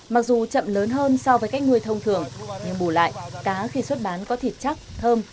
mặc dù chậm lớn hơn so với cách nuôi thông thường nhưng bù lại cá khi xuất bán có thịt chắc thơm